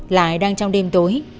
lại đang trong đêm tối